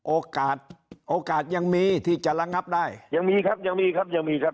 โอกาสโอกาสยังมีที่จะระงับได้ยังมีครับยังมีครับยังมีครับ